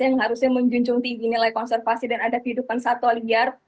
yang harusnya menjunjung tinggi nilai konservasi dan ada kehidupan satwa liar